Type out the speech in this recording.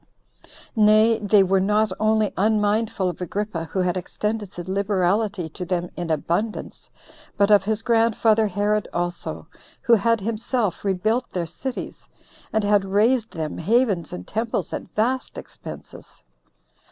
Nay, they were not only unmindful of Agrippa, who had extended his liberality to them in abundance, but of his grandfather Herod also, who had himself rebuilt their cities, and had raised them havens and temples at vast expenses.